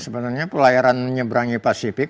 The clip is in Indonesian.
sebenarnya pelayaran menyeberangi pasifik